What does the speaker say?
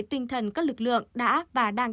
tinh thần các lực lượng đã và đang